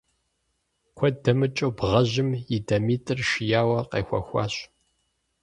Куэд дэмыкӀыу бгъэжьым и дамитӀыр шияуэ къехуэхащ.